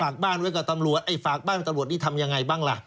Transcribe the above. บ้านไว้กับตำรวจไอ้ฝากบ้านตำรวจนี่ทำยังไงบ้างล่ะ